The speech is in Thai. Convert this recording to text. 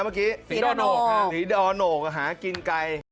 เมื่อกี้สีดอนโหนกสีดอนโหนกอ่ะฮะกินไก่